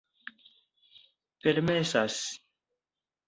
permesas